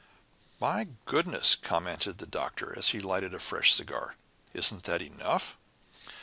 "My goodness," commented the Doctor, as he lighted a fresh cigar. "Isn't that enough?"